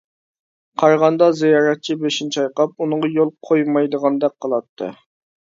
قارىغاندا زىيارەتچى بېشىنى چايقاپ، ئۇنىڭغا يول قويمايدىغاندەك قىلاتتى.